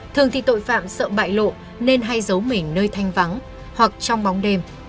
thường thì tội phạm sợ bại lộ nên hay giấu mình nơi thanh vắng hoặc trong bóng đêm